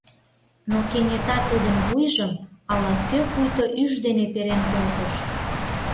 Но кенета тудын вуйжым ала-кӧ пуйто ӱш дене перен колтыш.